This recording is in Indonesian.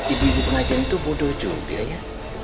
ibu ibu pengajian itu bodoh jombia ya